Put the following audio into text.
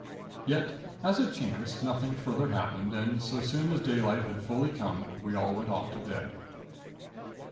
"Yet, as it chanced, nothing further happened and so soon as daylight had fully come we all went off to bed.